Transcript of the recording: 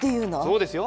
そうですよ。